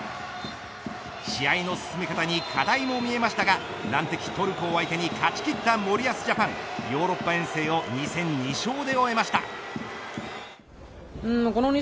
試合の進め方に課題も見えましたが難敵トルコを相手に勝ち切った森保ジャパンヨーロッパ遠征を２戦２勝で終えました。